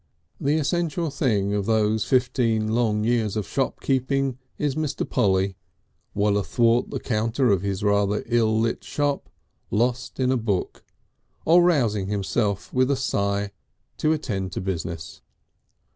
The essential thing of those fifteen long years of shopkeeping is Mr. Polly, well athwart the counter of his rather ill lit shop, lost in a book, or rousing himself with a sigh to attend to business.